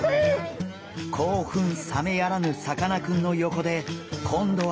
興奮冷めやらぬさかなクンの横で今度は。